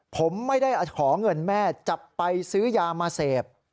ผมไม่ได้ขอเงินแม่จับไปซื้อยามาเสพ